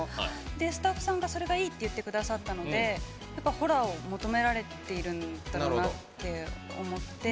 スタッフさんが、それがいいって言ってくださったのでホラーを求められているんだろうなって思って。